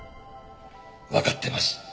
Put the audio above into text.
わかってます。